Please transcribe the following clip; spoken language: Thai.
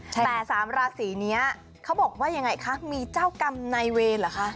แต่๓ราศีนี้เขาบอกว่ายังไงคะมีเจ้ากรรมในเวรเหรอคะ